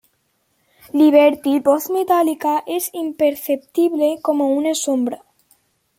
Liberty, voz metálica, es imperceptible como una sombra.